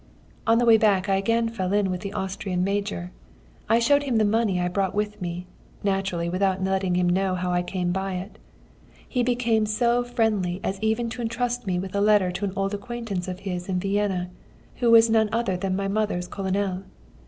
"On the way back I again fell in with the Austrian major. I showed him the money I brought with me, naturally without letting him know how I came by it. He became so friendly as even to entrust me with a letter to an old acquaintance of his in Vienna, who was none other than my mother's colonel....